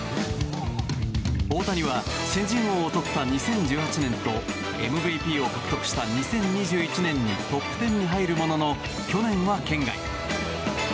大谷は、新人王をとった２０１８年とＭＶＰを獲得した２０２１年にトップ１０に入るものの去年は圏外。